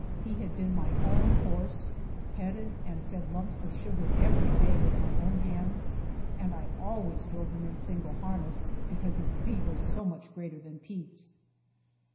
He had been my own horse, petted and fed lumps of sugar every day with my own hands, and I always drove him in single harness, because his speed was so much greater than Pete's.